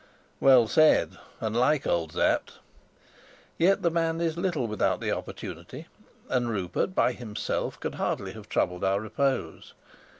Well said, and like old Sapt! Yet the man is little without the opportunity, and Rupert by himself could hardly have troubled our repose.